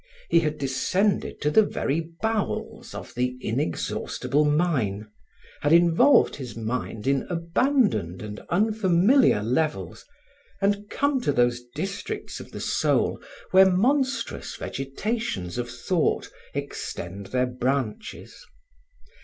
He had descended to the very bowels of the inexhaustible mine, had involved his mind in abandoned and unfamiliar levels, and come to those districts of the soul where monstrous vegetations of thought extend their branches.